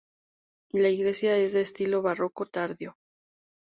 La iglesia es de estilo barroco tardío.